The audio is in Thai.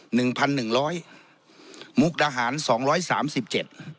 หนึ่งพันหนึ่งร้อยมุกดาหารสองร้อยสามสิบเจ็ด